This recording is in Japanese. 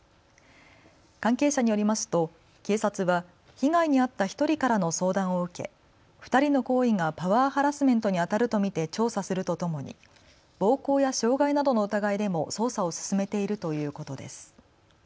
関係者によりますと警察は被害に遭った１人からの相談を受け２人の行為がパワーハラスメントにあたると見て調査するとともに暴行や傷害などの疑いでも捜査を進めているということです。